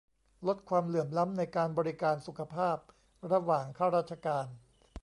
ลดความเหลื่อมล้ำในการบริการสุขภาพระหว่างข้าราชการ